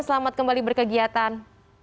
selamat kembali berkegiatan